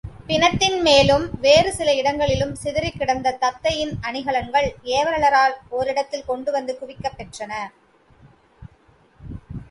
பிணத்தின்மேலும் வேறு சில இடங்களிலும் சிதறிக் கிடந்த தத்தையின் அணிகலன்கள் ஏவலரால் ஓரிடத்தில் கொண்டு வந்து குவிக்கப் பெற்றன.